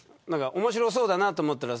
面白そうだなと思ったら。